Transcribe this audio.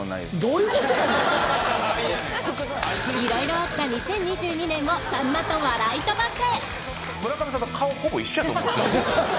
いろいろあった２０２２年をさんまと笑い飛ばせ！